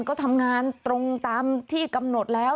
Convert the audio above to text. ก็ทำงานตรงตามที่กำหนดแล้ว